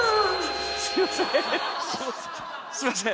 すいません！